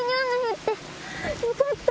よかった！